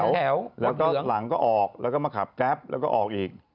แล้วก็หลังก็ออกแล้วก็มาขับแก๊ปแล้วก็ออกอีก